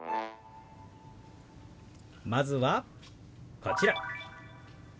まずはこちら。